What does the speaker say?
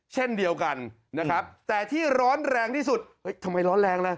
เช่นเดียวกันนะครับแต่ที่ร้อนแรงที่สุดเฮ้ยทำไมร้อนแรงล่ะ